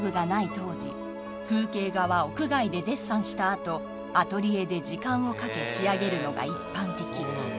当時風景画は屋外でデッサンした後アトリエで時間をかけ仕上げるのが一般的